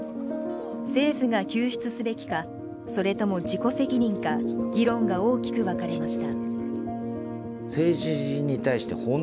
政府が救出すべきかそれとも自己責任か議論が大きく分かれました。